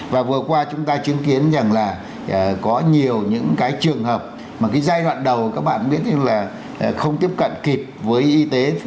và vừa qua chúng ta chứng kiến rằng là có nhiều những cái trường hợp mà cái giai đoạn đầu các bạn biết là không tiếp cận kịp với y tế